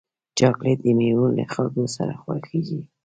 چاکلېټ د میوو له خوږو سره جوړېږي.